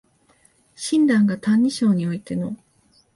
親鸞が「歎異抄」においての